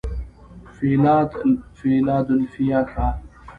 فیلادلفیا ښار